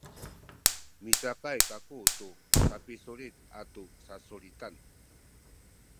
micakay kaku tu sapisulit atu sasulitan